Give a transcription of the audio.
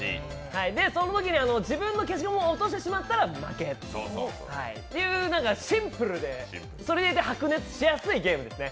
そのときに自分の消しゴムを落としてしまったら負けというシンプルで、それでいて白熱しやすいゲームですね。